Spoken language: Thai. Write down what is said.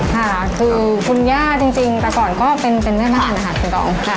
ค่ะคือคุณย่าจริงแต่ก่อนก็เป็นแม่บ้านอาหารของดอง